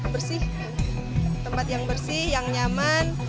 bersih tempat yang bersih yang nyaman